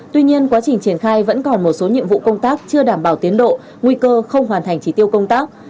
tuy nhiên quá trình triển khai vẫn còn một số nhiệm vụ công tác chưa đảm bảo tiến độ nguy cơ không hoàn thành trí tiêu công tác